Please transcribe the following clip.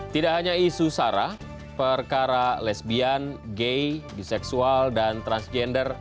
tidak hanya isu sarah perkara lesbian gay biseksual dan transgender